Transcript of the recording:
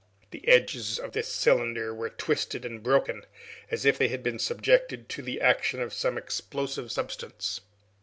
The edges of this cylinder were twisted and broken, as if they had been subjected to the action of some explosive substance.